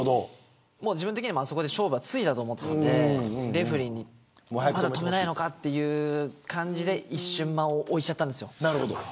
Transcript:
自分的にはあそこで勝負がついたと思ってレフェリーに止めないのかという感じで一瞬間を置いちゃったんですよ。